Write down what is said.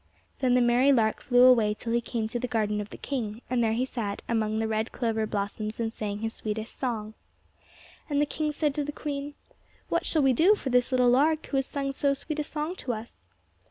Then the merry lark flew away till he came to the garden of the king; and there he sat among the red clover blossoms and sang his sweetest song. And the king said to the queen, "What shall we do for this little lark who has sung so sweet a song to us?"